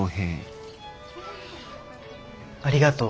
ありがとう。